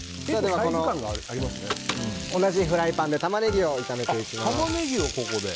同じフライパンでタマネギを炒めていきます。